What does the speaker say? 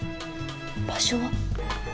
場所は？